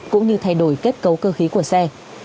cũng như thay đổi kết cấu cơ khí của xe